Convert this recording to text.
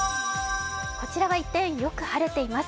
こちらは一転、よく晴れています。